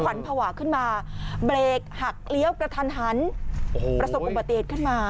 ขวัญภาวะขึ้นมาเบรกหักเลี้ยวกระทันโอ้โหประสงค์ประเทศขึ้นมา